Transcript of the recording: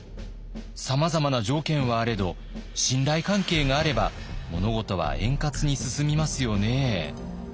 さまざまな条件はあれど信頼関係があれば物事は円滑に進みますよね。